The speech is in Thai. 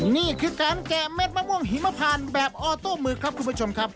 นี่คือการแกะเม็ดมะม่วงหิมพานแบบออโต้มือครับคุณผู้ชมครับ